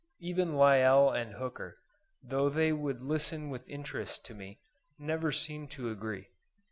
Even Lyell and Hooker, though they would listen with interest to me, never seemed to agree.